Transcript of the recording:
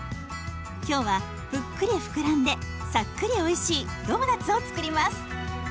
今日はぷっくりふくらんでさっくりおいしいドーナツを作ります。